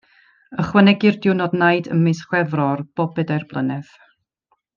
Ychwanegir diwrnod naid ym mis Chwefror bob pedair blynedd.